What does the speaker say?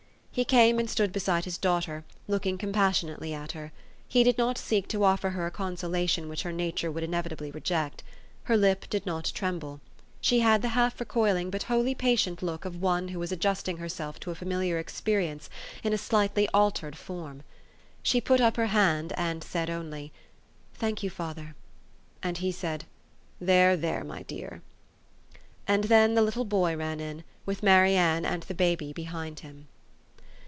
He came and stood beside his daughter, looking compassionately at her. He did not seek to offer her a consolation which her nature would inevitably reject. Her lip did not tremble. She had the half recoiling but wholly patient look of one who was adjusting herself to a familiar experience in a slightly altered form. She put up her hand, and said only, 4 'Thank you, father! " And he said, " There, there, my dear !" And then the little boy ran in, with Mary Ann and the baby behind him.